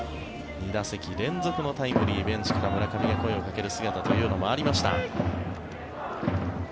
２打席連続のタイムリーベンチから村上が声をかける姿もありました。